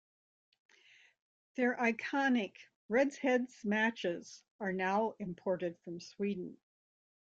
Their iconic Redheads matches are now imported from Sweden.